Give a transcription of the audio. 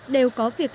đều có việc làm